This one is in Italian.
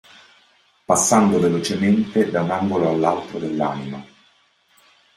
Passando velocemente da un angolo all'altro dell'anima.